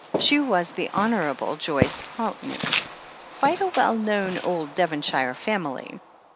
She was the Honourable Joyce Pountney, quite a well known old Devonshire family.